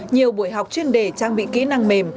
nhiều buổi học chuyên đề trang bị kỹ năng mềm